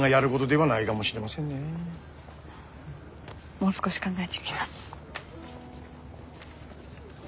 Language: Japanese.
もう少し考えてみます。